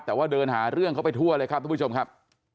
แต่ว่าเดินหาเรื่องเขาไปทั่วเลยครับทุกผู้ชมครับ